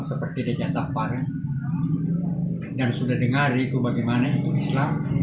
seperti raja tafar dan sudah dengar itu bagaimana itu islam